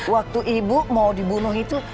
waktu ibu mau dibunuh itu